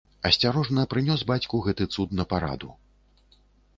Асцярожна прынёс бацьку гэты цуд на параду.